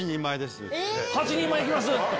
８人前いきます